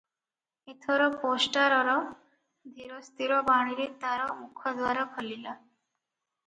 ଏଥର ପେଷ୍ଟାରର ଧୀରସ୍ଥିର ବାଣୀରେ ତାର ମୁଖଦ୍ୱାର ଖୋଲିଲା ।